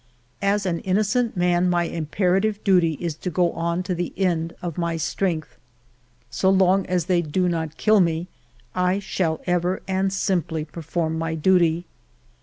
As an innocent man, my imperative duty is to go on to the end of my strength. So long as they do not kill me, I shall ever and simply perform my duty.